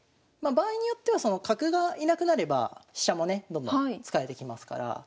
まあ場合によっては角が居なくなれば飛車もねどんどん使えてきますから。